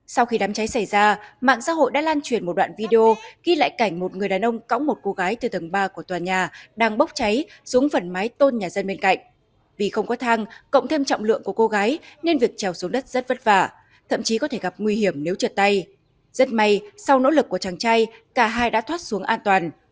sau khi đám cháy xảy ra mạng xã hội đã lan truyền một đoạn video ghi lại cảnh một người đàn ông cõng một cô gái từ tầng ba của tòa nhà đang bốc cháy xuống phần mái tôn nhà dân bên cạnh vì không có thang cộng thêm trọng lượng của cô gái nên việc trèo xuống đất rất vất vả thậm chí có thể gặp nguy hiểm nếu trượt tay rất may sau nỗ lực của chàng trai cả hai đã thoát xuống an toàn